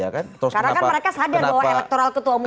karena kan mereka sadar bahwa elektoral ketua umumnya itu